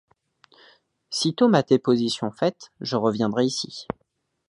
Sitôt ma déposition faite, je reviendrai ici.